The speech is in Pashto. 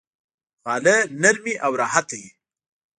غالۍ نرمې او راحته وي.